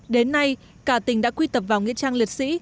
đến nay cả tỉnh đã quy tập vào nghĩa trang liệt sĩ